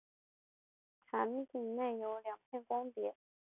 产品内有两片光碟。